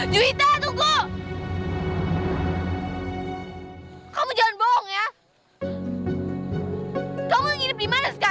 jangan jangan ibu aku disini juga ya